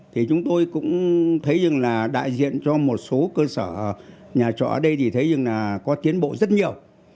thì chúng tôi cũng thấy rằng là đại diện cho một số cơ sở nhà trọ ở đây thì thấy rằng là có tiến bộ rất nhiều